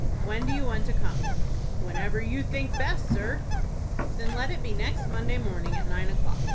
When do you want to come?" "Whenever you think best, sir." "Then let it be next Monday morning, at nine o'clock.